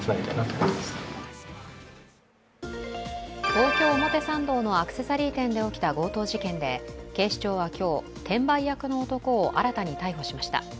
東京・表参道のアクセサリー店で起きた強盗事件で警視庁は今日、転売役の男を新たに逮捕しました。